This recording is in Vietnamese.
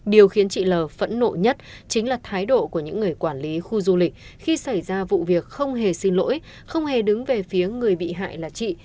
điều khiến chị l phẫn nộ nhất chính là thái độ của những người quản lý khu du lịch khi xảy ra vụ việc không hề xin lỗi không hề đứng về phía người bị hại là chị